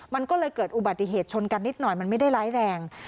มันก็เลยเกิดอุบัติเหตุชนกันนิดหน่อยมันไม่ได้ร้ายแรง